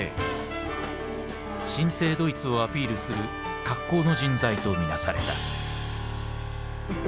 新生ドイツをアピールする格好の人材と見なされた。